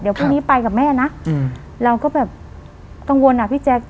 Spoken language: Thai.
เดี๋ยวพรุ่งนี้ไปกับแม่นะเราก็แบบกังวลอ่ะพี่แจ๊ค